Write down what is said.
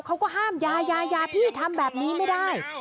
เขาก็ห้ามยายาพี่ทำแบบนี้ไม่ได้